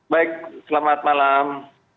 baik selamat malam